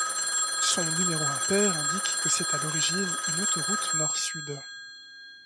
Son numéro impair indique que c'est à l'origine une autoroute nord-sud.